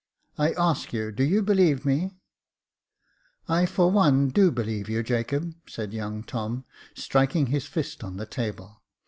I ask you, do you believe me ?" "I, for one, do believe you, Jacob," said young Tom, striking his fist on the table.